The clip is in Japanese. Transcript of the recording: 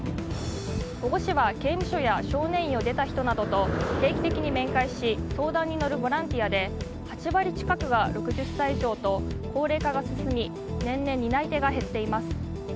保護司は刑務所や少年院を出た人などと定期的に面会し相談に乗るボランティアで８割近くが６０歳以上と高齢化が進み年々担い手が減っています。